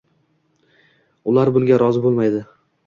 – ular bunga rozi bo‘lmaydi.